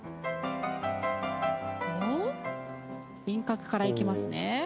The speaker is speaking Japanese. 輪郭からいきますね。